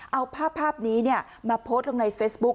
เอาภาพนี้มาโพสต์ลงในเฟซบุ๊ค